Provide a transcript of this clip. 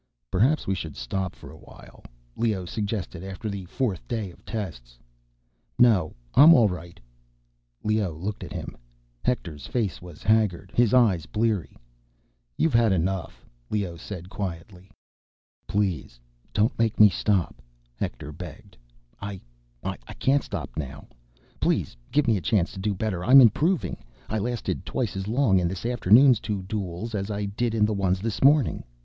"Perhaps we should stop for a while," Leoh suggested after the fourth day of tests. "No, I'm all right." Leoh looked at him. Hector's face was haggard, his eyes bleary. "You've had enough," Leoh said quietly. "Please don't make me stop," Hector begged. "I ... I can't stop now. Please give me a chance to do better. I'm improving ... I lasted twice as long in this afternoon's two duels as I did in the ones this morning.